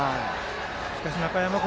しかし、中山君